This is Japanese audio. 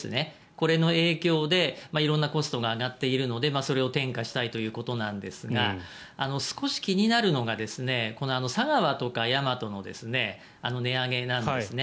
これの影響で色んなコストが上がっているのでそれを転嫁したいということなんですが少し気になるのが佐川とかヤマトの値上げなんですね。